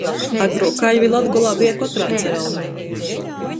Agruok kaļvi Latgolā beja kotrā dzeraunē.